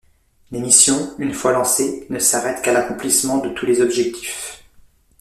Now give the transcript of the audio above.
Les missions, une fois lancées, ne s'arrêtent qu'à l'accomplissement de tous les objectifs.